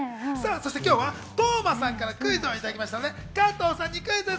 今日は當真さんからクイズをいただきましたので、加藤さんにクイズッス！